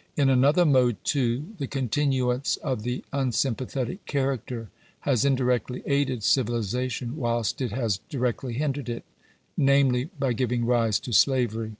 ' In another mode, too, the continuance of the unsympathetic character has indirectly aided civilization whilst it has directly hindered it ; namely, by giving rise to slavery.